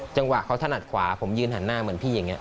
จังหวะเขาถนัดขวาผมยืนหันหน้าเหมือนพี่อย่างนี้